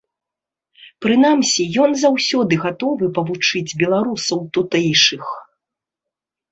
Прынамсі, ён заўсёды гатовы павучыць беларусаў тутэйшых.